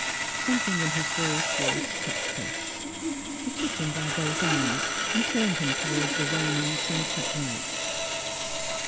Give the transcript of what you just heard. " Something in his boyish voice touched her. She took him by both arms and turned him toward the waning sunset light.